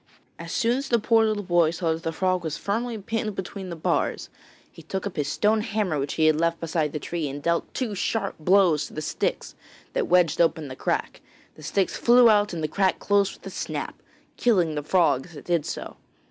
As soon as the poor little boy saw that the frog was firmly pinned between the bars, he took up his stone hammer which he had left beside the tree and dealt two sharp blows to the sticks that wedged open the crack. The sticks flew out and the crack closed with a snap, killing the frog as it did so.